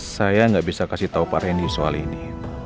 saya nggak bisa kasih tahu pak rendy soal ini